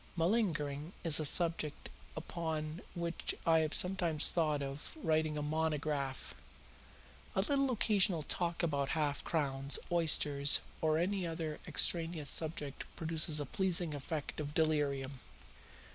Malingering is a subject upon which I have sometimes thought of writing a monograph. A little occasional talk about half crowns, oysters, or any other extraneous subject produces a pleasing effect of delirium."